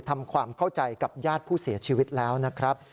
ทำความเข้าใจกับญาติผู้เสียชีวิตแล้วนะครับ